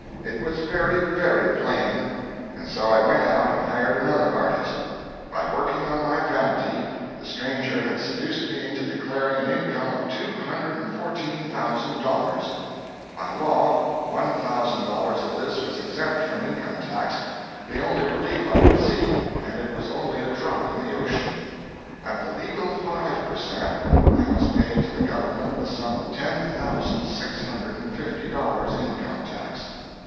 It was very, very plain; and so I went out and hired another artist. By working on my vanity, the stranger had seduced me into declaring an income of two hundred and fourteen thousand dollars. By law, one thousand dollars of this was exempt from income tax the only relief I could see, and it was only a drop in the ocean. At the legal five per cent., I must pay to the government the sum of ten thousand six hundred and fifty dollars, income tax!